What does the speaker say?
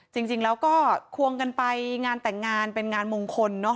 จริงแล้วก็ควงกันไปงานแต่งงานเป็นงานมงคลเนอะ